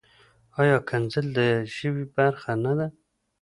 ایا کنځل د ژبې برخه نۀ ده؟